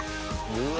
うわ！